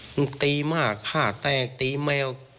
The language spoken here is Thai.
มึงตีหม้าค่าแตกตีแมว